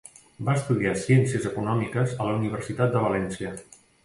Va estudiar ciències econòmiques a la Universitat de València.